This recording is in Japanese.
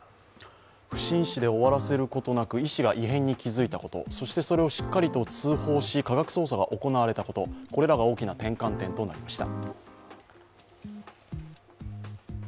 不審死で終わらせることなく医師が異変に気づいたこと、そしてそれをしっかりと通報し科学捜査が行われたこと、これらが大きな転換点となりました。